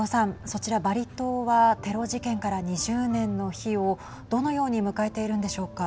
そちらバリ島はテロ事件から２０年の日をどのように迎えているんでしょうか。